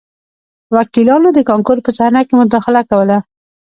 وکیلانو د کانکور په صحنه کې مداخله کوله